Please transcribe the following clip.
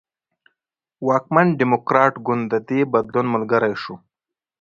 واکمن ډیموکراټ ګوند د دې بدلون ملګری شو.